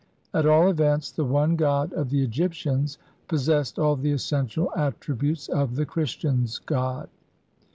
1 At all events the One god of the Egyptians possessed all the essential attributes of the Christian's God.